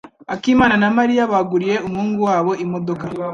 Akimana na Mariya baguriye umuhungu wabo imodoka.